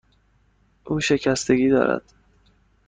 او شکستگی دارد.